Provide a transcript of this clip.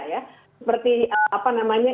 ya seperti apa namanya